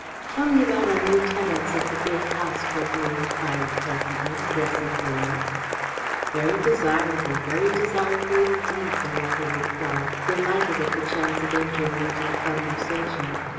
"Tell me about our new tenants at the Great House," Gregory enquired presently, addressing Borroughes. "Very desirable very desirable indeed," the latter replied, delighted at the chance of entering into the conversation.